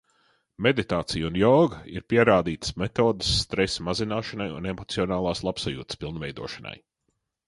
Meditācija un joga ir pierādītas metodes stresa mazināšanai un emocionālās labsajūtas pilnveidošanai.